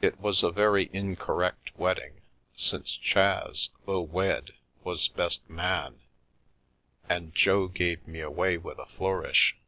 It was a very incorrect wedding, since Chas, though wed, was best man, and Jo gave me away with a flourish.